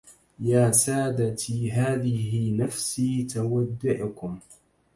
يا سادتي هذه نفسي تودعكم